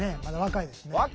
まだ若いですね。